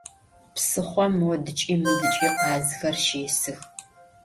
Psıxhom, modıç'i mıdıç'i, khazxer şêsıx.